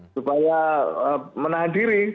supaya menahan diri